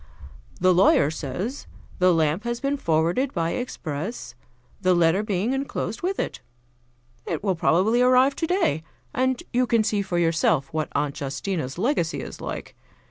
"The lawyer says: 'The lamp has been forwarded by express, the letter being enclosed with it.' It will probably arrive today, and you can see for yourself what Aunt Justina's legacy is like.